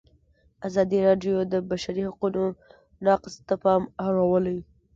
ازادي راډیو د د بشري حقونو نقض ته پام اړولی.